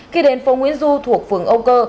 khi đến phố nguyễn du thuộc phường âu cơ